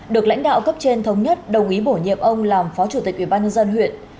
được lãnh đạo cấp trên thống nhất đồng ý bổ nhiệm ông làm phó chủ tịch ủy ban nhân dân huyện